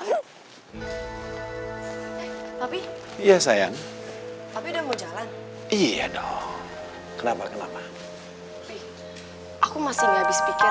ayo tapi ya sayang tapi udah mau jalan iya dong kenapa kenapa aku masih nggak habis pikir